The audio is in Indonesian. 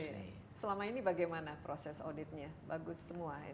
selama ini bagaimana proses auditnya bagus semua